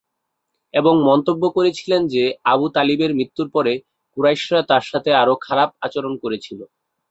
এবং মন্তব্য করেছিলেন যে আবু তালিবের মৃত্যুর পরে কুরাইশরা তার সাথে আরও খারাপ আচরণ করেছিল।